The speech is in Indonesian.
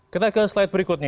kita ke slide berikutnya